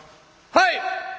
「はい！」。